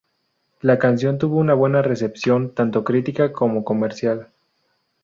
La canción tuvo una buena recepción, tanto crítica como comercial.